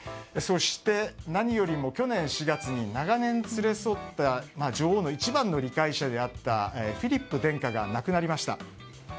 そして、何よりも去年４月に長年連れ添った女王の一番の理解者であったフィリップ殿下が亡くなりました。